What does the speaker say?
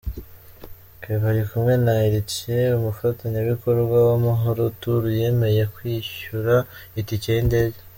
Kevin ari kumwe na Herniette umufatanyabikorwa wa Amahoro Tours yemeye kwishyura itike y'indege.